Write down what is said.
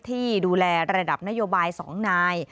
ที่ดูแลระดับนโยบาย๒นาย